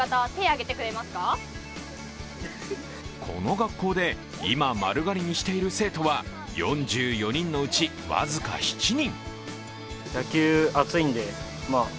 この学校で今、丸刈りにしている生徒は４４人のうち僅か７人。